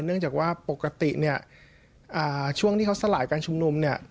เนื่องจากว่าปกติช่วงที่เขาสลายการชุมนุม